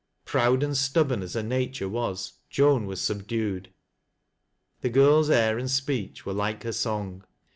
Proud and stubborn as her nature was, Joan was subdued. The girl's air and speech were like her song.